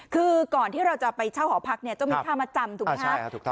คือก่อนที่เราจะไปเช่าหอพักเนี่ยต้องมีค่ามาจำถูกไหมครับ